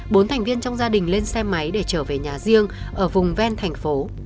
bốn thành viên trong gia đình lên xe máy để trở về nhà riêng ở vùng ven thành phố